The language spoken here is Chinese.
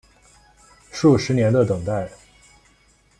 数十年的等待